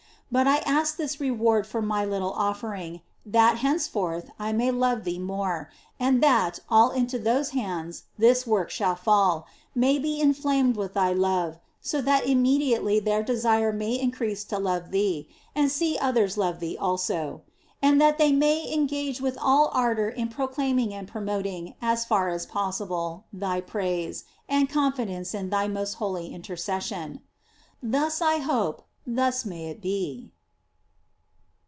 But I ask this reward for my little offering, that henceforth I may love thee more, and that all into whose hands this work shall fall, may be in flamed with thy love, so that immediately their desire may increase to love thee, and see others love thee also; and that they may engage with all ardor in proclaiming and promoting, as far as possible, thy praise, and confidence in thy most holy intercession. Thus I hope, thus may it be.